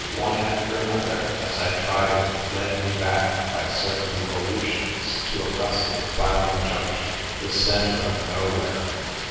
One after another, as I tried it, led me back by circumvolutions to a rustic Clapham Junction, the centre of Nowhere.